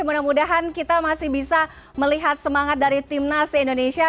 mudah mudahan kita masih bisa melihat semangat dari timnas indonesia